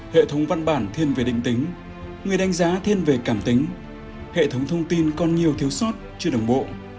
hệ thống văn bản thiên về định tính người đánh giá thiên về cảm tính hệ thống thông tin còn nhiều thiếu sót chưa đồng bộ